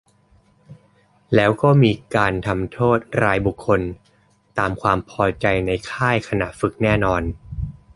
แล้วมีการทำโทษรายบุคคลตามความพอใจในค่ายขณะฝึกแน่นอน